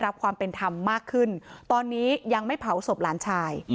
รับความเป็นธรรมมากขึ้นตอนนี้ยังไม่เผาศพหลานชาย